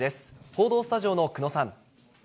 報道スタジオの久野さん。